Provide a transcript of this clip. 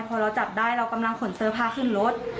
พอเราจับได้เรากำลังขนเสื้อผ้าขึ้นรถ